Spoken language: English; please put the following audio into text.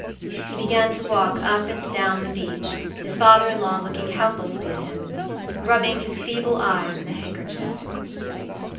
He began to walk up and down the beach, his father in law looking helplessly at him, rubbing his feeble eyes with a handkerchief.